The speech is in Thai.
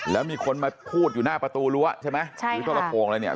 แล้วมีคนมาพูดอยู่หน้าประตูรั้วใช่ไหมใช่หรือทรโป่งอะไรเนี่ย